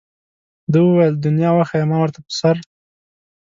ده وویل دنیا وښیه ما ورته په سر.